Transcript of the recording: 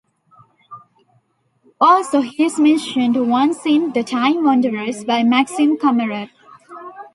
Also he is mentioned once in "The Time Wanderers" by Maxim Kammerer.